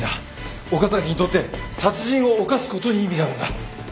岡崎にとって殺人を犯すことに意味があるんだ。